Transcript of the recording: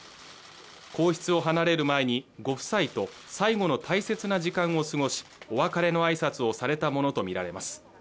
皇室を離れる前にご夫妻と最後の大切な時間を過ごしお別れの挨拶をされたものと見られます